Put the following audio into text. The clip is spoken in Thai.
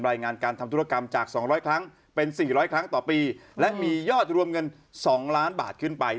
รายงานการทำธุรกรรมจาก๒๐๐ครั้งเป็น๔๐๐ครั้งต่อปีและมียอดรวมเงิน๒ล้านบาทขึ้นไป